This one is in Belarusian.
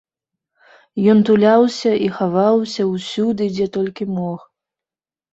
Ён туляўся і хаваўся ўсюды, дзе толькі мог.